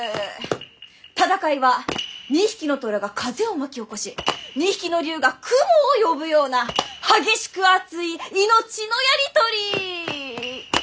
戦いは２匹の虎が風を巻き起こし２匹の竜が雲を呼ぶような激しく熱い命のやり取り！